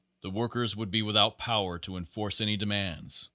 The workers would be without power to en force any demands.